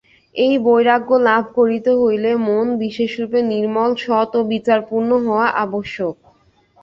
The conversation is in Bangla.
এই বৈরাগ্য লাভ করিতে হইলে মন বিশেষরূপে নির্মল, সৎ ও বিচারপূর্ণ হওয়া আবশ্যক।